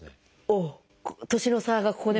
おお年の差がここでも。